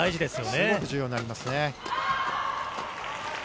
すごく重要になりますね。